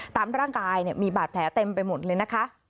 ตามร่างกายมีบาดแผลเต็มไปหมดเลยนะคะ